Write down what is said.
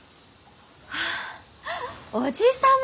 あ叔父様！